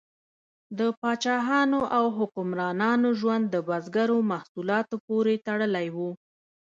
د پاچاهانو او حکمرانانو ژوند د بزګرو محصولاتو پورې تړلی و.